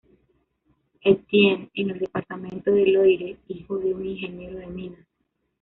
Étienne en el departamento de Loire, hijo de un ingeniero de minas.